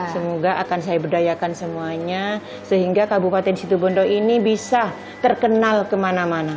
semoga akan saya berdayakan semuanya sehingga kabupaten situbondo ini bisa terkenal kemana mana